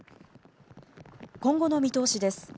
今後の見通しです。